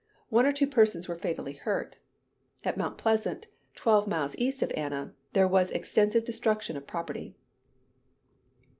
One or two persons were fatally hurt. At Mt. Pleasant, twelve miles east of Anna, there was extensive destruction of property.